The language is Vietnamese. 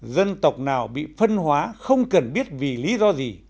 dân tộc nào bị phân hóa không cần biết vì lý do gì